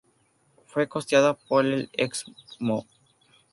Fue costeado por el Excmo.